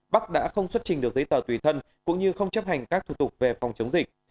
bắc đã không xuất trình được giấy tờ tùy thân cũng như không chấp hành các thủ tục về phòng chống dịch